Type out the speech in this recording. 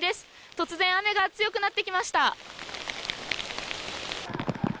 突然雨が強くなってきました。